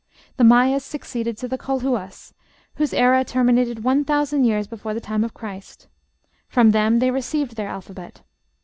The Mayas succeeded to the Colhuas, whose era terminated one thousand years before the time of Christ; from them they received their alphabet.